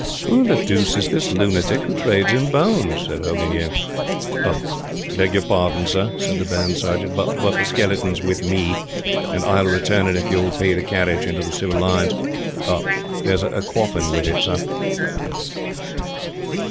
"Who the deuce is this lunatic who trades in bones?" said Hogan Yale. "Beg your pardon, Sir," said the Band Sergeant, "but the skeleton is with me, an' I'll return it if you'll pay the carriage into the Civil Lines. There's a coffin with it, Sir."